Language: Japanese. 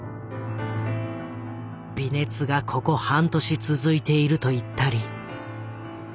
「微熱がここ半年つづいていると言ったり」。